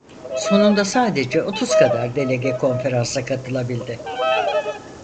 Sonunda sadece otuz kadar delege konferansa katılabildi.